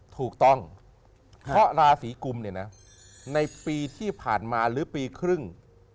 ถูกต้องเพราะราสีกุ้มในปีที่ผ่านมาหรือปีครึ่ง